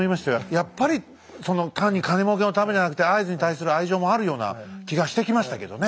やっぱりその単に金もうけのためじゃなくて会津に対する愛情もあるような気がしてきましたけどね。